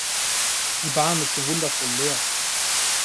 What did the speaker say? Die Bahn ist so wundervoll leer.